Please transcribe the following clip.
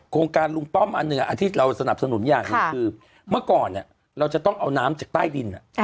โครงการลุงป้อมอันหนึ่งอันที่เราสนับสนุนอย่างหนึ่งคือเมื่อก่อนเราจะต้องเอาน้ำจากใต้ดิน